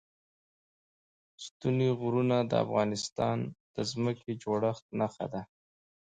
ستوني غرونه د افغانستان د ځمکې د جوړښت نښه ده.